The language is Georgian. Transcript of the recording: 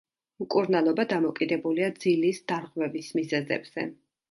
მკურნალობა დამოკიდებულია ძილის დარღვევის მიზეზებზე.